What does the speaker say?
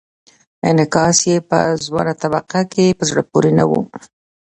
انعکاس یې په ځوانه طبقه کې په زړه پورې نه و.